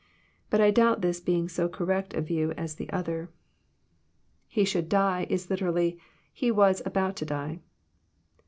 But I doubt this being so cor rect a view as the other. He should die," Is literally, He was " about to die."